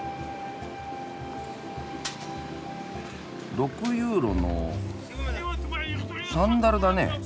６ユーロのサンダルだね。